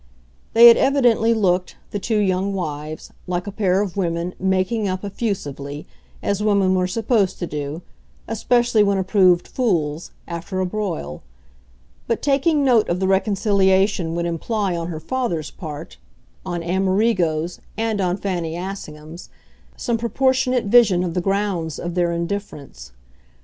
They had evidently looked, the two young wives, like a pair of women "making up" effusively, as women were supposed to do, especially when approved fools, after a broil; but taking note of the reconciliation would imply, on her father's part, on Amerigo's, and on Fanny Assingham's, some proportionate vision of the grounds of their difference.